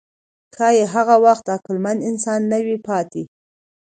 ښایي هغه وخت عقلمن انسان نه وي پاتې.